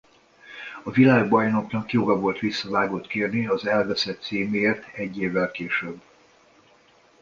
A világbajnoknak joga volt visszavágót kérni az elvesztett címéért egy évvel később.